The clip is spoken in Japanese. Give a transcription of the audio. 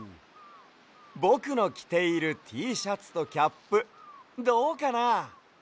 ぼくのきているＴシャツとキャップどうかな？